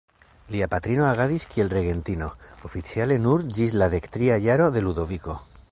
Lia patrino agadis kiel regentino, oficiale nur ĝis la dektria jaro de Ludoviko.